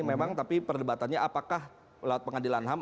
memang tapi perdebatannya apakah lewat pengadilan ham